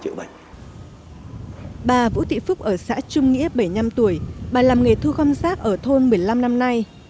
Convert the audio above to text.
trong thời gian vũ thị phúc ở xã trung nghĩa bảy mươi năm tuổi bà làm nghề thu gom rác ở thôn một mươi năm năm nay